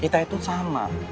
kita itu sama